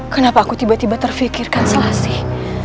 kenapa aku tiba tiba terfikirkan selasih